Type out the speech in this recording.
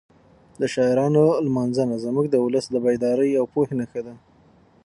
د شاعرانو لمانځنه زموږ د ولس د بیدارۍ او پوهې نښه ده.